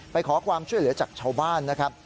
ไปขอความช่วยเหลือจากชาวบ้านนะครับ